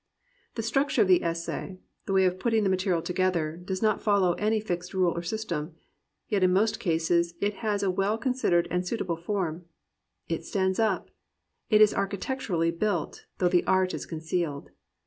The structure of the essay, the way of putting the material together, does not follow any fixed rule or system. Yet in most cases it has a well considered and suitable form; it stands up; it is architecturally built, though the art is concealed.